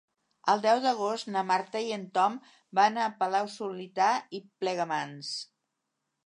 El deu d'agost na Marta i en Tom van a Palau-solità i Plegamans.